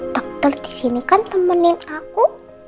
dokter disini kan temenin aku